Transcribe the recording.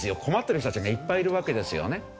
困ってる人たちがいっぱいいるわけですよね。